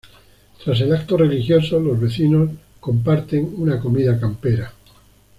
Tras el acto religioso los vecinos comparten una comida campera.